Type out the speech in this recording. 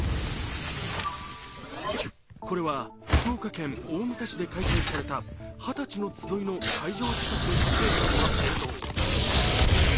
これは福岡県大牟田市で開催されたはたちの集いの会場近くで撮影された映像。